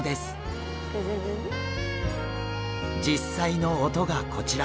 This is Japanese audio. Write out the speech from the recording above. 実際の音がこちら。